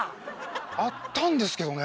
あったんですけどね